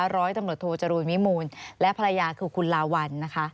ร้อยตำรวจโทจรูลวิมูลและภรรยาคือคุณลาวัลนะคะ